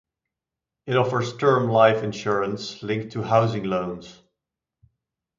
It offers term life insurance linked to housing loans.